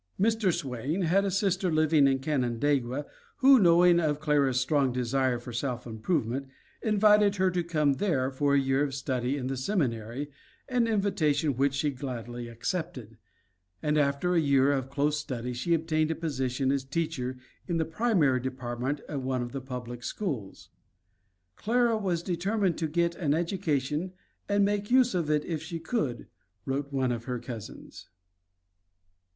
Mr. Swain had a sister living in Canandaigua, who, knowing of Clara's strong desire for self improvement, invited her to come there for a year of study in the seminary, an invitation which she gladly accepted; and after a year of close study she obtained a position as teacher in the primary department of one of the public schools. "Clara was determined to get an education and make use of it if she could," wrote one of her cousins.